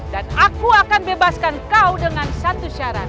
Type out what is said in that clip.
aku akan bebaskan kau dengan satu syarat